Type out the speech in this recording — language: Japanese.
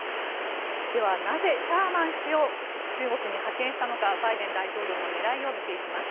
では、なぜシャーマン氏を中国に派遣したのかバイデン大統領の狙いを見ていきます。